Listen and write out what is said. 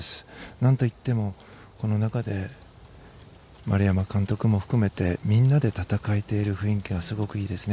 なんといってもこの中で丸山監督も含めてみんなで戦えている雰囲気はすごくいいですね。